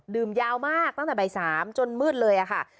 ยาวมากตั้งแต่บ่าย๓จนมืดเลยค่ะ